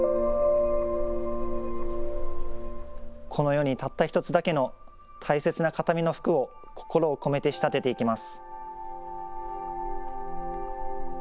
この世にたった１つだけの大切な形見の服を心を込めて仕立てていきます。